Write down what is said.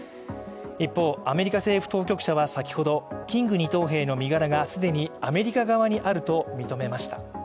一方、アメリカ政府当局者は先ほどキング２等兵の身柄が既にアメリカ側にあると認めました。